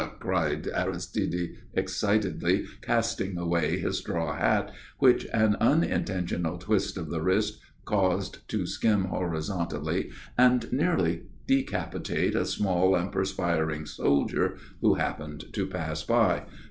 _" cried Aristide, excitedly casting away his straw hat, which an unintentional twist of the wrist caused to skim horizontally and nearly decapitate a small and perspiring soldier who happened to pass by.